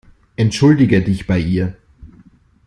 Entschuldige dich bei ihr.